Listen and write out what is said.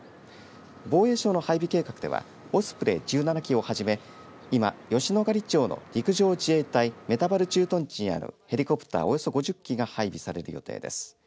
防衛省の配備計画ではオスプレイ１７機をはじめ今、吉野ヶ里町の陸上自衛隊目達原駐屯地にあるヘリコプターおよそ５０機が配備される予定です。